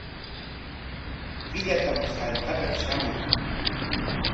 Killatam hallqapik shamun.